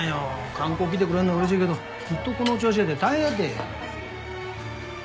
観光来てくれるのは嬉しいけどずっとこの調子やで大変やて。